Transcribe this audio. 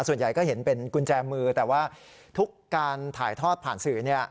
ส่วนใหญ่ก็เห็นเป็นกุญแจมือแต่ว่าทุกการถ่ายทอดผ่านสื่อ